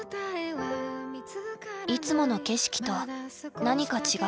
いつもの景色と何か違う気がする。